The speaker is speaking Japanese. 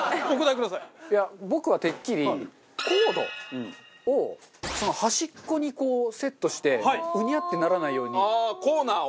いや僕はてっきりコードを端っこにこうセットしてグニャッてならないように。ああコーナーを？